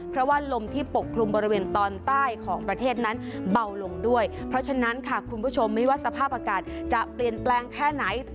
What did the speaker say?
เพราะว่าลมที่ปกคลุมบริเวณตอนใต้ของประเทศนั้นเบาลงด้วยเพราะฉะนั้นค่ะคุณผู้ชมไม่ว่าสภาพอากาศจะเปลี่ยนแปลงแค่ไหน